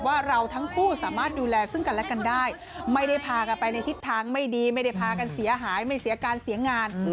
ว่าเราทั้งคู่สามารถดูแลซึ่งกันและกันได้ไม่ได้พากันไปในทิศทางไม่ดีไม่ได้พากันเสียหายไม่เสียการเสียงาน